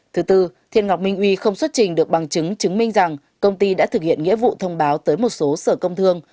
thứ tư thiên ngọc minh uy không xuất trình được bằng chứng chứng minh rằng công ty đã thực hiện nghĩa vụ thông báo tới một số sở công thương